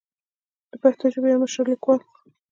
د پښتو ژبې يو مشر ليکوال